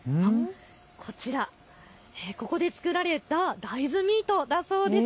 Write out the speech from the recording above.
こちら、ここで作られた大豆ミートだそうです。